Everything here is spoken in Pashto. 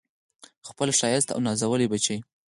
خپل ښایسته او نازولي بچي